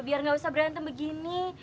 biar nggak usah berantem begini